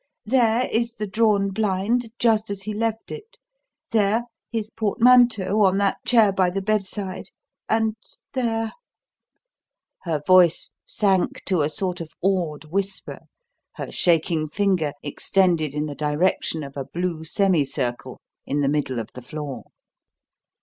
there is the drawn blind just as he left it; there his portmanteau on that chair by the bedside, and there " Her voice sank to a sort of awed whisper, her shaking finger extended in the direction of a blue semi circle in the middle of the floor.